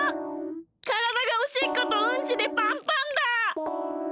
からだがおしっことうんちでパンパンだ！